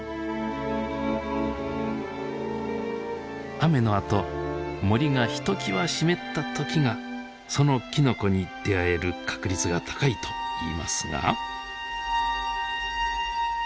雨のあと森がひときわ湿った時がそのきのこに出会える確率が高いといいますが。